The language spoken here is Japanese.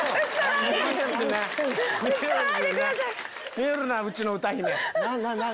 見るなうちの歌姫を。